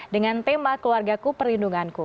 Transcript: dengan tema keluarga ku perlindunganku